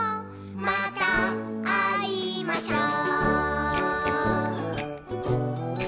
「またあいましょう」